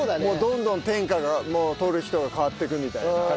もうどんどん天下取る人が変わっていくみたいな。